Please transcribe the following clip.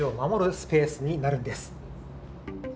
スペースになるんです。